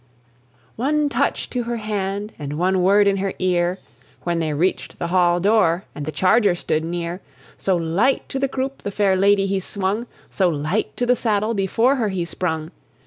One touch to her hand, and one word in her ear, When they reached the hall door, and the charger stood near; So light to the croupe the fair lady he swung, So light to the saddle before her he sprung!